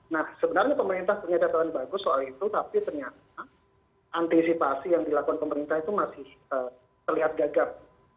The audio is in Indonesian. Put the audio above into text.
nah sebenarnya pemerintah punya dataran bagus soal itu tapi ternyata antisipasi yang dilakukan pemerintah itu masih terlihat gagap